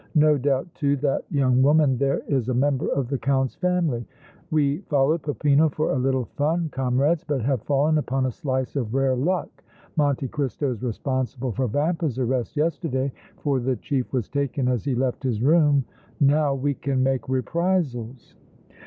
"No doubt, too, that young woman there is a member of the Count's family. We followed Peppino for a little fun, comrades, but have fallen upon a slice of rare luck! Monte Cristo is responsible for Vampa's arrest yesterday, for the chief was taken as he left his room Now we can make reprisals!"